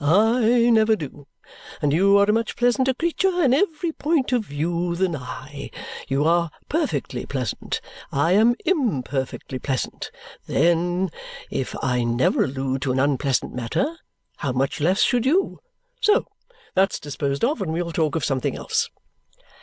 I never do. And you are a much pleasanter creature, in every point of view, than I. You are perfectly pleasant; I am imperfectly pleasant; then, if I never allude to an unpleasant matter, how much less should you! So that's disposed of, and we will talk of something else."